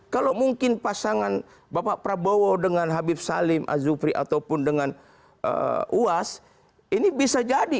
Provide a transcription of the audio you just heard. kalau mungkin pasangan bapak prabowo dengan habib salim azufri ataupun dengan uas ini bisa jadi